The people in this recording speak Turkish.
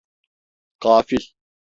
Gafil!